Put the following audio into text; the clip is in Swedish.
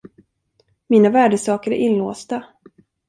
Mina värdesaker är inlåsta.